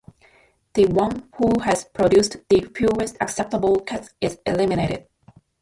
The one who has produced the fewest acceptable cuts is eliminated.